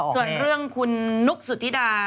ส่วนเรื่องคุณนุ๊กสุธิดา